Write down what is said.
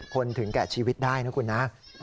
ถึงแก่ชีวิตได้นะคุณนะ